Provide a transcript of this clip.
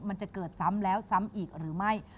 มันจะเกิดซ้ำแล้วซ้ำอีกหรือไม่